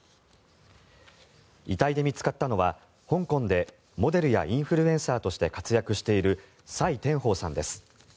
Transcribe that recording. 遺体で見つかったのは香港でモデルやインフルエンサーとして活躍しているサイ・テンホウさんです。